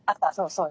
そう。